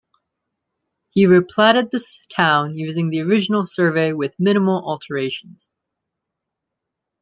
He replatted the town using the original survey with minimal alterations.